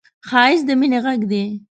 ښایست د مینې غږ دی